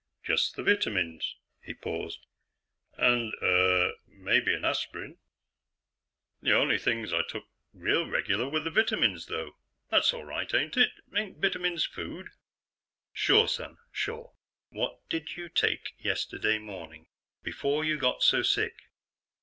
"Just the vitamins." He paused. "And ... uh ... maybe an aspirin. The only things I took real regular were the vitamins, though. That's all right ain't it? Ain't vitamins food?" "Sure, son, sure. What did you take yesterday morning, before you got so sick?"